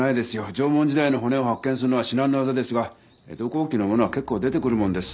縄文時代の骨を発見するのは至難の業ですが江戸後期のものは結構出てくるものです。